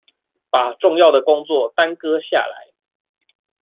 把重要的工作耽擱下來